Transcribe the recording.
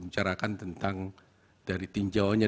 bicarakan tentang dari tinjauannya